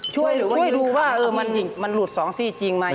ช่วยหรือว่ายืนข้ามหนีช่วยดูว่ามันหลูจสองซี่จริงไหม